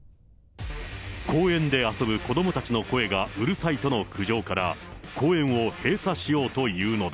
公園で遊ぶ子どもたちの声がうるさいとの苦情から、公園を閉鎖しようというのだ。